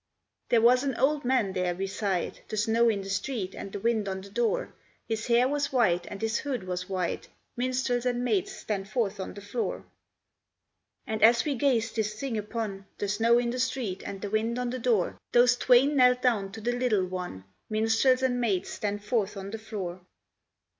"There was an old man there beside; The snow in the street, and the wind on the door, His hair was white, and his hood was wide. Minstrels and maids, stand forth on the floor. "And as we gazed this thing upon, The snow in the street, and the wind on the door, Those twain knelt down to the little one. Minstrels and maids, stand forth on the floor.